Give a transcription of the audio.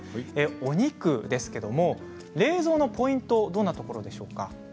お肉ですけれども冷蔵のポイントはどんなところでしょう